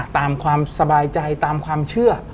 ตามความสบายใจตามความเชื่อ